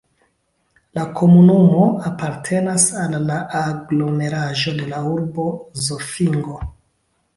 La komunumo apartenas al la aglomeraĵo de la urbo Zofingo.